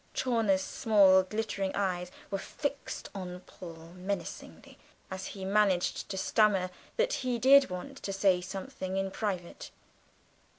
Chawner's small glittering eyes were fixed on Paul menacingly as he managed to stammer that he did want to say something in private.